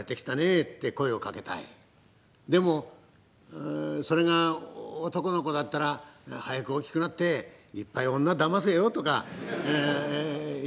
でもそれが男の子だったら「早く大きくなっていっぱい女を騙せよ」とか言いたくなりますねえ。